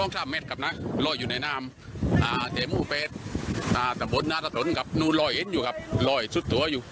แต่มันค่อนข้างน่าสุด